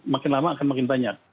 makin lama akan makin banyak